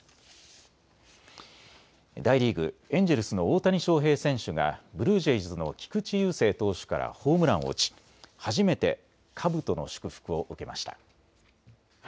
大リーグ、エンジェルスの大谷翔平選手がブルージェイズの菊池雄星投手からホームランを打ち、初めてかぶとの祝福を受けました。